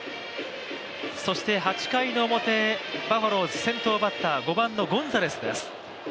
そして８回の表バファローズ先頭バッター５番のゴンザレスです。